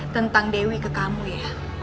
tentang dewi ke kamu ya